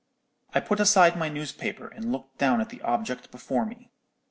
"I put aside my newspaper, and looked down at the object before me.